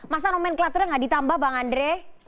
masa nomenklaturnya nggak ditambah bang andre